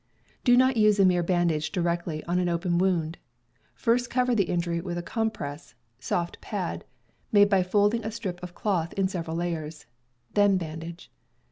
Do not use a mere bandage directly on an open wound. First, cover the injury with a compress (soft pad, made by folding a strip of cloth in several layers) ; then bandage.